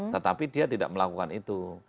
tetapi dia tidak melakukan itu